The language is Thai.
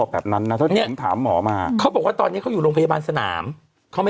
แล้วนี่น้องยังไปอยู่โรงพยาบาลสนามนะ